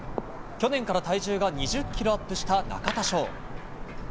去年から、体重が２０ｋｇアップした中田翔。